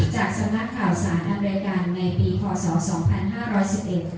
จากสำนักข่าวสารอเมริกันในปีคศ๒๕๑๑